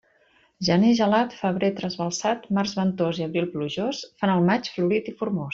Gener gelat, febrer trasbalsat, març ventós i abril plujós, fan el maig florit i formós.